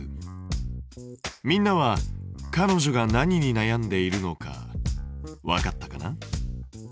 みんなはかのじょが何になやんでいるのかわかったかな？